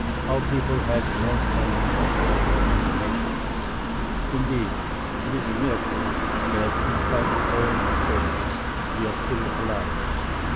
Our people has no standing whatsoever among the nations. Indeed, it is a miracle that in spite of all misfortunes we are still alive.